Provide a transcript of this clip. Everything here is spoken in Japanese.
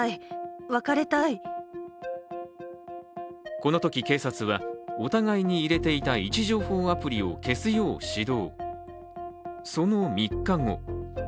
このとき、警察はお互いに入れていた位置情報アプリを消すよう指導。